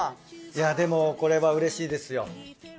いやでもこれはうれしいですよ。